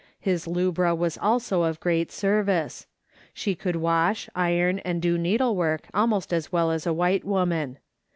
His Inbra was also of great service. She could wash, iron, and do needlework almost as well as a white woman.